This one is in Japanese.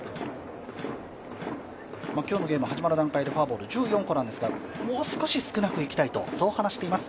今日のゲームは始まった段階でフォアボールは１４個ですが、もう少し少なくいきたいと話しています